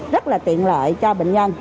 rất là tiện lợi cho bệnh nhân